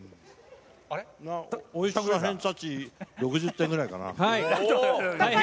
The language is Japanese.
美味しさの偏差値６０点ぐらいかな？